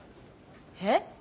えっ？